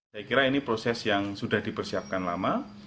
saya kira ini proses yang sudah dipersiapkan lama